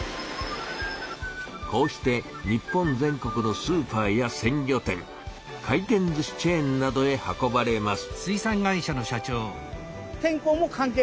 こうして日本全国のスーパーやせん魚店回転ずしチェーンなどへ運ばれます。